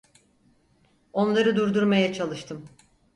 Onları durdurmaya çalıştım.